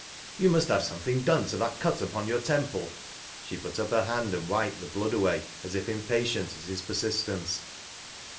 " You must have something done to that cut upon youi temple." She put up her hand and wiped the blood awaj as i/ impatient at his pei sistence.